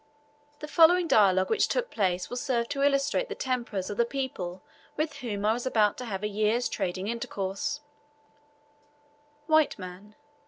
The following dialogue which took place will serve to illustrate the tempers of the people with whom I was about to have a year's trading intercourse: White Man.